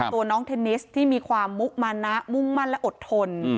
ตัวน้องเทนนิสที่มีความมุมานะมุ่งมั่นและอดทน